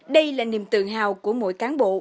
đây là niềm tự hào của mỗi cán bộ